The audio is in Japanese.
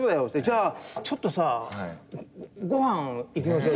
じゃあちょっとさご飯行きましょうよ。